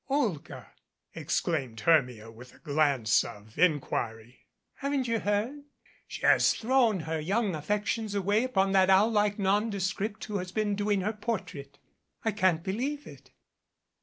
"Olga !" exclaimed Hermia with a glance of inquiry. "Haven't you heard? She has thrown her young af fections away upon that owl like nondescript who has been doing her portrait." "I can't believe it."